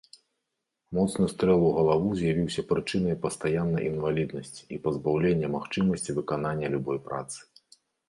Моцны стрэл у галаву з'явіўся прычынай пастаяннай інваліднасці і пазбаўлення магчымасці выканання любой працы.